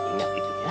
ingat itu ya